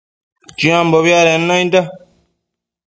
Chiambobi adenda nainda